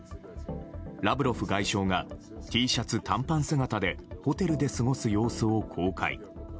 ラブロフ外相がＴシャツ、短パン姿でホテルで過ごす様子を公開。